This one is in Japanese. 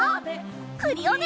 クリオネ！